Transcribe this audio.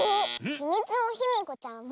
「ひみつのヒミコちゃん」は。